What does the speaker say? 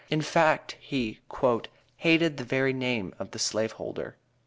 In fact, he "hated the very name of slaveholder."